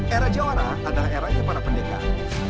era jawara adalah eranya para pendekar